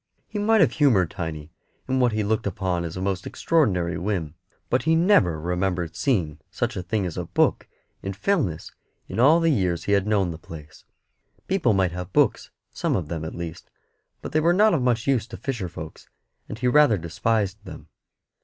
He might have humoured Tiny in what he looked upon as a most extraordinary whim, but he never remembered seeing such a thing as a book in Fellness all the years he had known the place. People might have books, some of them, at least, but they were not of much use to fisher folks, and he rather despised them.